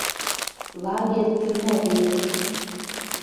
Лагерь, тюрьмӓ веле